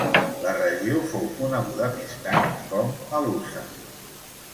La regió fou coneguda més tard com Haluza.